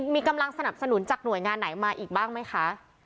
มีกำลังสนับสนุนจากหน่วยงานไหนมาอีกบ้างไหมคะ